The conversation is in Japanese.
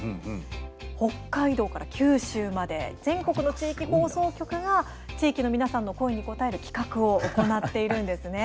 北海道から九州まで全国の地域放送局が地域の皆さんの声に応えて企画を行っているんですね。